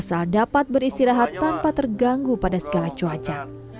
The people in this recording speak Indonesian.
asal dapat beristirahat tanpa terganggu pada segala cuaca